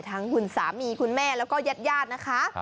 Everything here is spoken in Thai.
ทั้งขุนสามีขุนแม่แล้วก็แยฆ่ญาตินะคะ